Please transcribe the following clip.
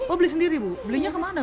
oh beli sendiri bu belinya kemana